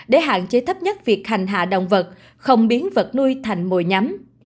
để hạn chế thấp nhất việc hành hạ động vật không biến vật nuôi thành mồi nhắm